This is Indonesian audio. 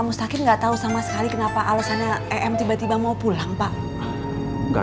mustakir nggak tahu sama sekali kenapa alasannya em tiba tiba mau pulang pak enggak